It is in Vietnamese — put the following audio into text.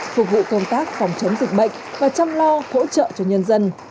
phục vụ công tác phòng chống dịch bệnh và chăm lo hỗ trợ cho nhân dân